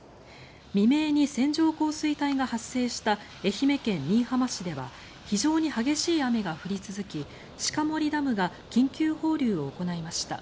未明に線状降水帯が発生した愛媛県新居浜市では非常に激しい雨が降り続き鹿森ダムが緊急放流を行いました。